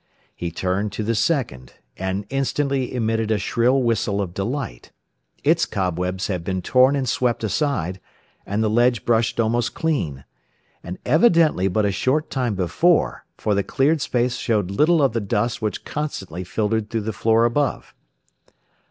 He turned to the second, and instantly emitted a shrill whistle of delight. Its cobwebs had been torn and swept aside, and the ledge brushed almost clean. And evidently but a short time before, for the cleared space showed little of the dust which constantly filtered through the floor above.